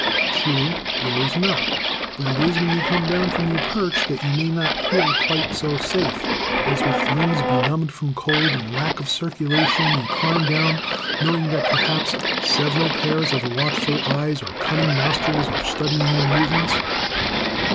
True, there is not; but it is when you come down from your perch that you may not feel quite so safe, as with limbs benumbed from cold and lack of circulation you climb down, knowing that perhaps several pairs of watchful eyes or cunning nostrils are studying your movements.